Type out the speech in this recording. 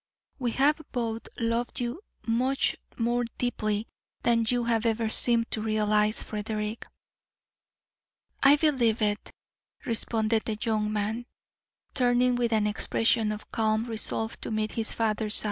"We have both loved you much more deeply than you have ever seemed to realise, Frederick." "I believe it," responded the young man, turning with an expression of calm resolve to meet his father's eye.